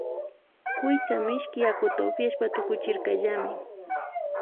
Kuytsa mishki yakuta upiashpa tukuchirkallami